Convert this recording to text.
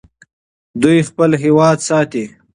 دوی خپل هېواد ساتي.